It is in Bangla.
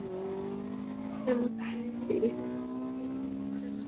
হে মৈত্রেয়ী, ইহাই ঋষিদিগের চরম সিদ্ধান্ত।